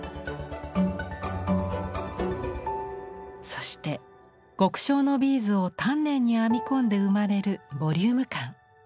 そして極小のビーズを丹念に編み込んで生まれるボリューム感。